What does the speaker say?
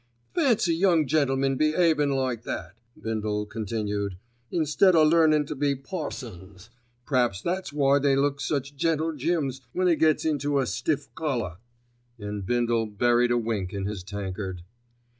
"Fancy young gentlemen be'avin' like that," Bindle continued, "instead o' learnin' to be parsons. P'raps that's why they looks such gentle Jims when they gets into a stiff collar," and Bindle buried a wink in his tankard.